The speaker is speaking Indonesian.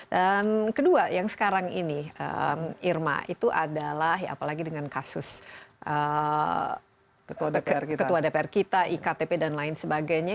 dan kedua yang sekarang ini irma itu adalah apalagi dengan kasus ketua dpr kita iktp dan lain sebagainya